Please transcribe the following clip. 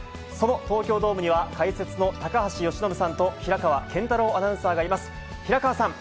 その東京ドームには、解説の高橋由伸さんと平川けんたろうアナウンサーがいます。